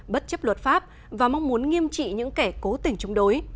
bất chấp luật pháp và mong muốn nghiêm trị những kẻ cố tỉnh chung đối